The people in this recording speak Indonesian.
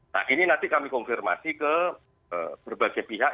nah ini nanti kami konfirmasi ke berbagai pihak